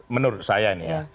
menurut saya ini ya